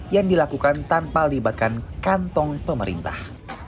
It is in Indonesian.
yang dilakukan tanpa libatkan kantong pemerintah